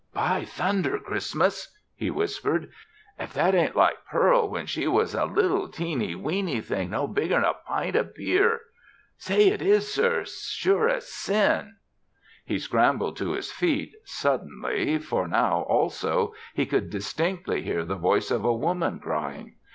"By thunder! Christmas," he whispered. "If that ain't like Pearl when she was a little, teeny, weeny thing no bigger'n a pint o' beer! Say it is, sir, sure as sin!" He scrambled to his feet, suddenly, for now, also, he could distinctly hear the voice of a woman crying.